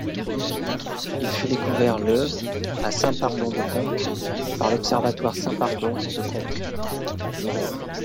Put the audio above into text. Il fut découvert le à Saint-Pardon-de-Conques par l'observatoire St Pardon de Conques.